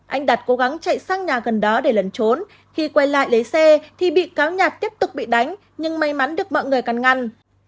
anh đạt cố gắng chạy sang nhà gần đó để lẩn trốn khi quay lại lấy xe thì bị cáo nhạt tiếp tục bị đánh nhưng may mắn được mọi người căn ngăn